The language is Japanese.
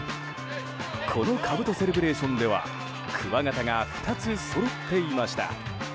このかぶとセレブレーションではくわ形が２つそろっていました。